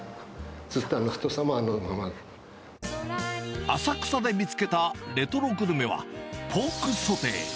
ずっと、浅草で見つけたレトログルメは、ポークソテー。